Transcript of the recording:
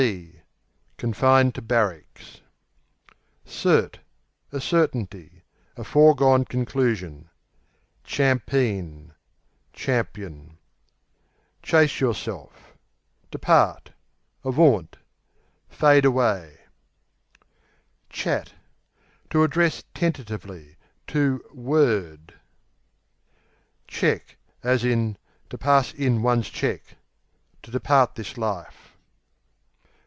C.B. Confined to barracks. Cert A certainty; a foregone conclusion. Champeen Champion. Chase yourself Depart; avaunt; "fade away," q.v. Chat To address tentatively; to "word" q.v. Cheque, to pass in one's To depart this life.